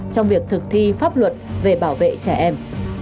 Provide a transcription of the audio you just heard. trong việc thực thi pháp luật về bảo vệ trẻ em